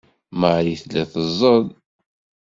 Marie tella teẓẓel.